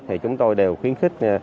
thì chúng tôi đều khuyến khích